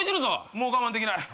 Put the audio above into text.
もう我慢できない。